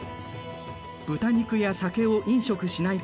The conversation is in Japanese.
豚肉や酒を飲食しないこと。